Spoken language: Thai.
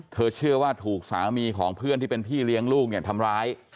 เชื่อว่าถูกสามีของเพื่อนที่เป็นพี่เลี้ยงลูกเนี่ยทำร้าย